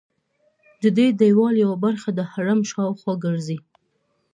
ددې دیوال یوه برخه د حرم شاوخوا ګرځي.